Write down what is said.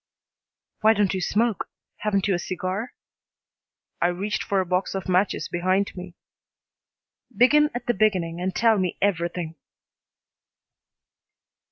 "Why don't you smoke? Haven't you a cigar?" I reached for a box of matches behind me. "Begin at the beginning and tell me everything."